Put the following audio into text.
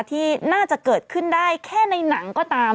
ที่น่าจะเกิดขึ้นได้แค่ในหนังก็ตาม